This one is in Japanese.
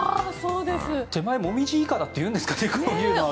手前、モミジいかだというんですかね、こういうのは。